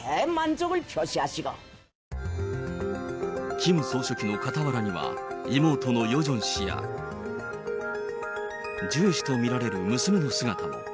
キム総書記の傍らには、妹のヨジョン氏や、ジュエ氏と見られる娘の姿も。